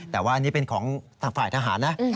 แต่ว่านี้เป็นของฝ่ายทหารน่ะ